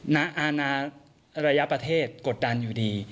ณอาณาระยะประเทศกดดันอยู่ดี